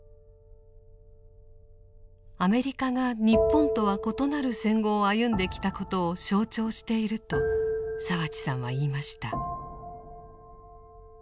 アメリカが日本とは異なる戦後を歩んできたことを象徴していると澤地さんは言いました。